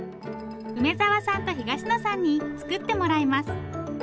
梅沢さんと東野さんに作ってもらいます。